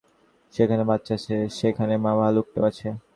যেখানে বাচ্চা আছে, সেখানে মা ভালুকটাও আছে।